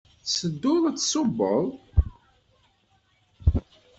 Tettedduḍ ad d-tṣubbeḍ?